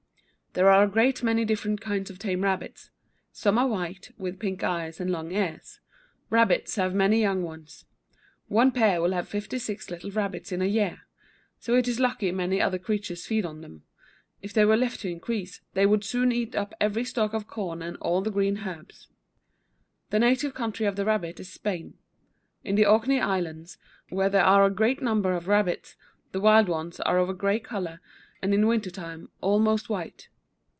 There are a great many different kinds of tame rabbits; some are white, with pink eyes and long ears. Rabbits have many young ones. One pair will have fifty six little rabbits in a year. So it is lucky many other creatures feed on them. If they were left to increase, they would soon eat up every stalk of corn and all the green herbs. The native country of the rabbit is Spain. In the Orkney Islands, where there are great numbers of rabbits, the wild ones are of a grey colour, and in winter time almost white.